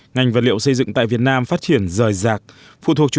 ngành vật liệu xây dựng tại việt nam phát triển rời rạc